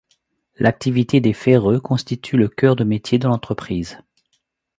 L’activité des ferreux constitue le cœur de métier de l’entreprise.